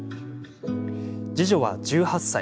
次女は１８歳。